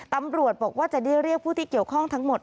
ตำรวจบอกว่าจะได้เรียกผู้ที่เกี่ยวข้องทั้งหมด